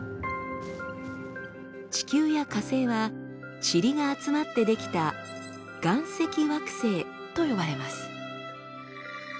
地球や火星はチリが集まって出来た「岩石惑星」と呼ばれます。